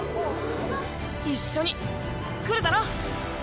一緒に来るだろ？